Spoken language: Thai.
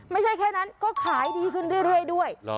ไม่ใช่แค่นั้นก็ขายดีขึ้นเรื่อยด้วย